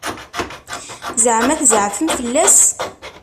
Ẓeɛma tzeɛfem fell-as?